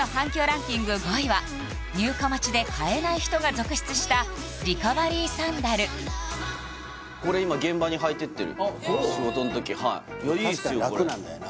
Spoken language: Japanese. ランキング５位は入荷待ちで買えない人が続出したリカバリーサンダルへえ仕事の時はいいいっすよ